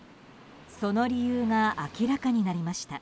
その理由が明らかになりました。